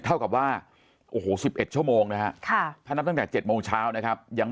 เท่ากับว่าโอ้โห๑๑ชั่วโมงนะฮะถ้านับตั้งแต่๗โมงเช้านะครับยัง